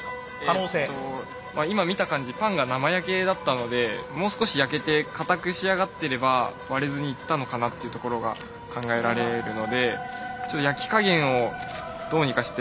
今見た感じパンが生焼けだったのでもう少し焼けてかたく仕上がってれば割れずにいったのかなっていうところが考えられるのでちょっと焼き加減をどうにかして。